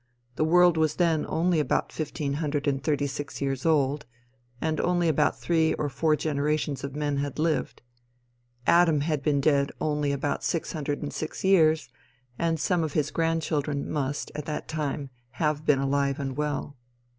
The world was then only about fifteen hundred and thirty six years old, and only about three or four generations of men had lived. Adam had been dead only about six hundred and six years, and some of his grand children must, at that time, have been alive and well.